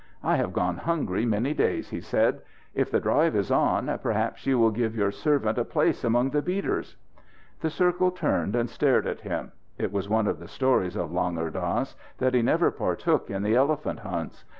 "I have gone hungry many days," he said. "If the drive is on, perhaps you will give your servant a place among the beaters." The circle turned and stared at him. It was one of the stories of Langur Dass that he never partook in the elephant hunts.